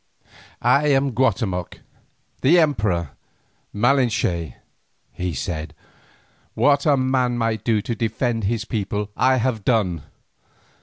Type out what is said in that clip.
"I am Guatemoc, the emperor, Malinche," he said. "What a man might do to defend his people, I have done.